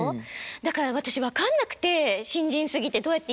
だから私分かんなくて新人すぎてどうやっていいのか。